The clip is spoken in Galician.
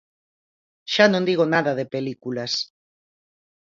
Xa non digo nada de películas.